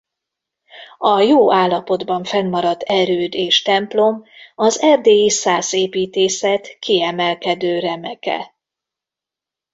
A jó állapotban fennmaradt erőd és templom az erdélyi szász építészet kiemelkedő remeke.